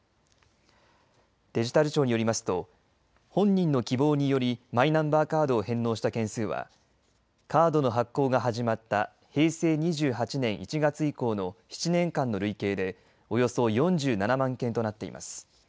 デジタル庁によりますと本人の希望によりマイナンバーカードを返納した件数はカードの発行が始まった平成２８年１月以降の７年間の累計でおよそ４７万件となっています。